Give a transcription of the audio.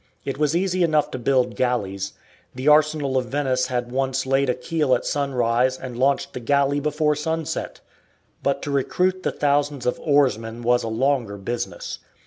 It was easy enough to build galleys. The arsenal of Venice had once laid a keel at sunrise and launched the galley before sunset. But to recruit the thousands of oarsmen was a longer business.